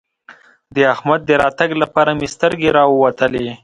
د احمد د راتګ لپاره مې سترګې راووتلې.